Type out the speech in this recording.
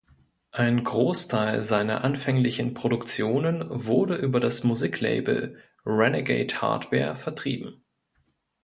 Ein Großteil seiner anfänglichen Produktionen wurden über das Musiklabel Renegade Hardware vertrieben.